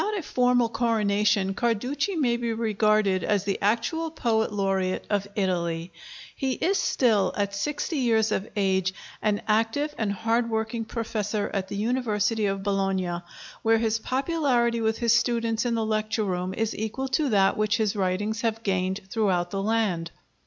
'" Without a formal coronation, Carducci may be regarded as the actual poet laureate of Italy. He is still, at sixty years of age, an active and hard working professor at the University of Bologna, where his popularity with his students in the lecture room is equal to that which his writings have gained throughout the land.